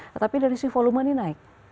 tetapi dari sisi volume ini naik